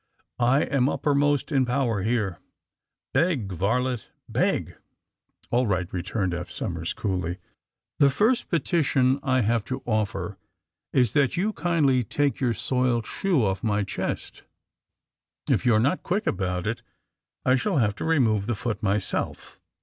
I am uppermost in power here. Beg, varlet, beg!" ^^All right," returned Eph Somers coolly. *'The first petition I have. to offer is that you kindly take your soiled shoe off my chest. If you are not quick about it I shall have to re move the foot myself."